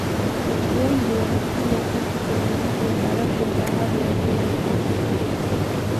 watu wengi walishindwa kuishi kwenye maji ya barafu ya bahari ya atlantiki